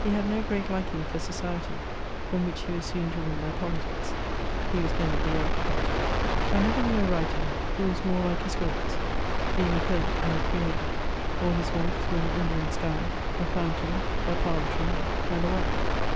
He had no geeat liking for society, from which he was soon driven by politics ; he was then of the old party, I never knew a writer who was more like his works : being a poet and a Creole, aU his wants were an Indian sky, a fountain, a palm tree, and a wife.